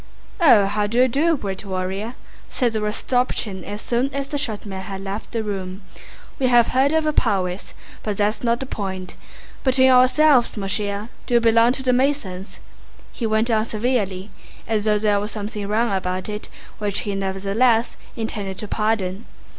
"Ah, how do you do, great warrior?" said Rostopchín as soon as the short man had left the room. "We have heard of your prowess. But that's not the point. Between ourselves, mon cher, do you belong to the Masons?" he went on severely, as though there were something wrong about it which he nevertheless intended to pardon.